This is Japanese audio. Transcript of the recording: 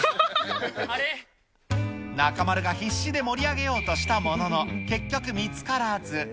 中丸が必死に盛り上げようとしたものの結局、見つからず。